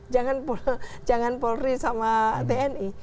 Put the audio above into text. jangan polri sama tni